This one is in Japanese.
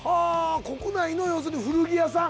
国内の要するに古着屋さん？